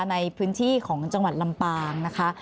ในพื้นที่ของจังหวัดลำปางนะคะ